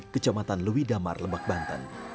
kecamatan lewi damar lembak banten